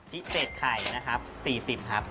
พิเศษไข่นะครับ๔๐ครับ